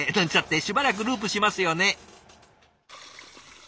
しばらくループしますよね。